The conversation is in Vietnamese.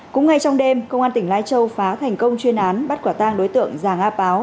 cũng ngay trong đêm công an tỉnh lai châu phá thành công chuyên án bắt quả tang đối tượng giàng a páo